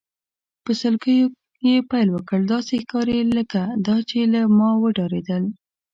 په سلګیو یې پیل وکړ، داسې ښکاري لکه دا چې له ما وډارېدل.